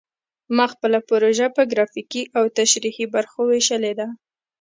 ما خپله پروژه په ګرافیکي او تشریحي برخو ویشلې ده